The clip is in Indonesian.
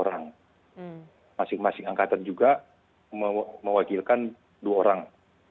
delapan orang masih masih angkatan juga mewakilkan dua orang